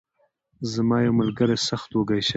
زما یو ملګری سخت وږی شوی.